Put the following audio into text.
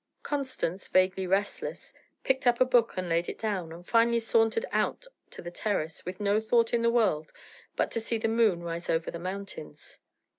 Constance, vaguely restless, picked up a book and laid it down, and finally sauntered out to the terrace with no thought in the world but to see the moon rise over the mountains.